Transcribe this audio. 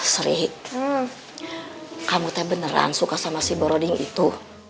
sri kamu tuh beneran suka sama si broding itu